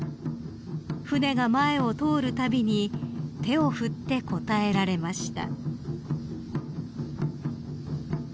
船が前を通るたびに手を振って応えられました］